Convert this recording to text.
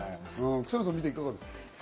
草野さん、いかがですか？